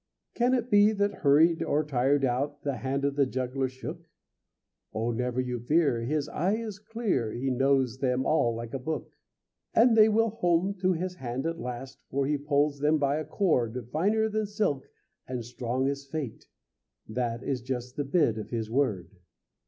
Can it be that, hurried or tired out, The hand of the juggler shook? O never you fear, his eye is clear, He knows them all like a book. And they will home to his hand at last, For he pulls them by a cord Finer than silk and strong as fate, That is just the bid of his word.